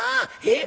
えっ？